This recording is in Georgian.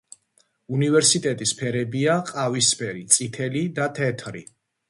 უნივერსიტეტის ფერებია ყავისფერი, წითელი და თეთრი.